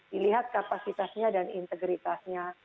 dilihat kapasitasnya dan integritasnya